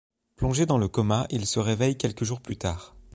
Plongé dans le coma, il se réveille quelques jours plus tard.